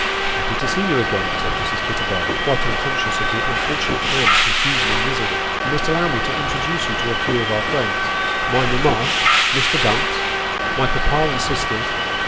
" Happy to see you again," said Mrs. Kitterbell, quite unconscious of the unfortunate man's confusion and misery ;" you must allow mo to introduce you to a few of our friends : my mamma, Mr. Dumps my papa and sisters."